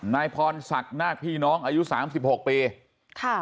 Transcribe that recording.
นายพรศักดิ์นาคพี่น้องอายุสามสิบหกปีค่ะ